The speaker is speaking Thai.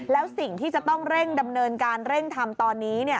แล้วสิ่งที่จะต้องเร่งดำเนินการเร่งทำตอนนี้